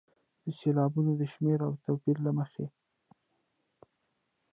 د سېلابونو د شمېر او توپیر له مخې.